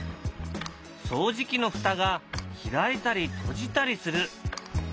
掃除機の蓋が開いたり閉じたりする。